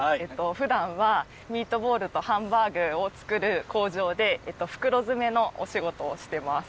普段はミートボールとハンバーグを作る工場で袋詰めのお仕事をしています。